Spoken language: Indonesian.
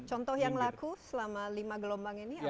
contoh yang laku selama lima gelombang ini apa saja